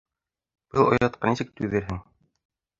Был оятҡа нисек түҙерһең?!